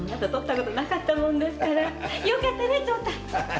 よかったね長太！